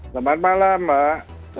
selamat malam mbak